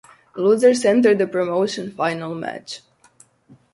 Losers enter the promotion final match.